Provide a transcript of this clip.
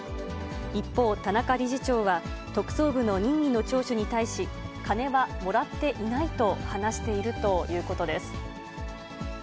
一方、田中理事長は特捜部の任意の聴取に対し、金はもらっていないと話しているということです。